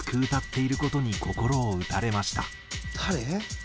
「誰？」